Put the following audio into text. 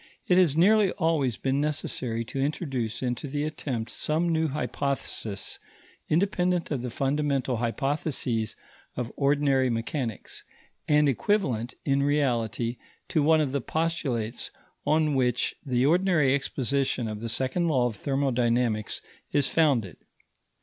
It has nearly always been necessary to introduce into the attempt some new hypothesis independent of the fundamental hypotheses of ordinary mechanics, and equivalent, in reality, to one of the postulates on which the ordinary exposition of the second law of thermodynamics is founded.